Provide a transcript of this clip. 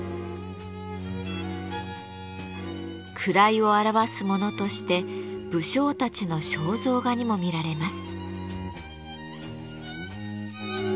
位を表すものとして武将たちの肖像画にも見られます。